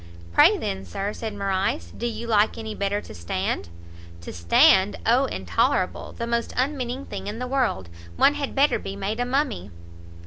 "Pray then, Sir," said Morrice, "do you like any better to stand?" "To stand? O intolerable! the most unmeaning thing in the world! one had better be made a mummy!"